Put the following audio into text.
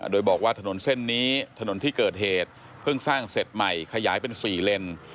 โดยบอกว่าถนนเส้นนี้ถนนที่เกิดเหตุเพิ่งสร้างเสร็จใหม่ขยายเป็น๔เลน